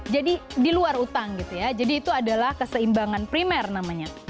jadi di luar utang gitu ya jadi itu adalah keseimbangan primer namanya